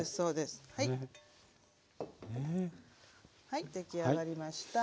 はいでき上がりました。